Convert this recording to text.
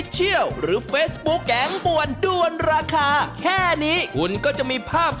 แต่เป็นเพราะอะไรรอช่วงหน้าครับ